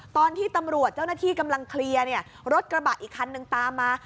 ตอนที่ตำรวจเจ้าหน้าที่กำลังเคลียร์เนี่ยรถกระบะอีกคันนึงตามมา